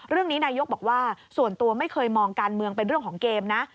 เรื่องนี้นายกบอกว่าส่วนตัวไม่เคยมองการเมืองเป็นเรื่องของเกมนะ